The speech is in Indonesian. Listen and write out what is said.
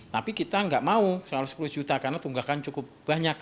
tapi kita nggak mau soal sepuluh juta karena tunggakan cukup banyak